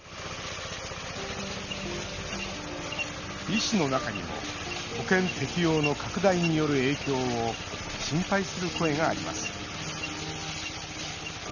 医師の中にも保険適用の拡大による影響を心配する声があります。